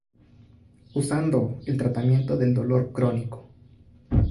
Usado en el tratamiento del dolor crónico.